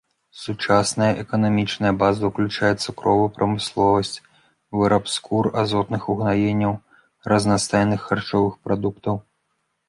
Сучасная эканамічная база ўключае цукровую прамысловасць, выраб скур, азотных угнаенняў, разнастайных харчовых прадуктаў.